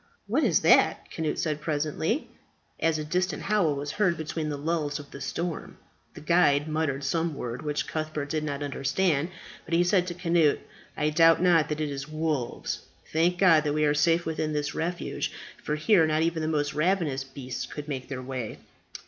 "What is that?" Cnut said presently, as a distant howl was heard between the lulls of the storm. The guide muttered some word, which Cuthbert did not understand. But he said to Cnut, "I doubt not that it is wolves. Thank God that we are safe within this refuge, for here not even the most ravenous beasts could make their way."